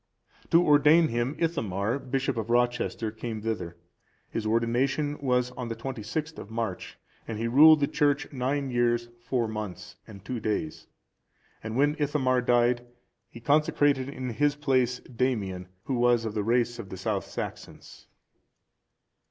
To ordain him, Ithamar,(398) bishop of Rochester, came thither. His ordination was on the 26th of March, and he ruled the church nine years, four months, and two days; and when Ithamar died, he consecrated in his place Damian,(399) who was of the race of the South Saxons.